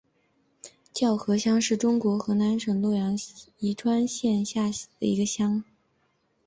叫河乡是中国河南省洛阳市栾川县下辖的一个乡。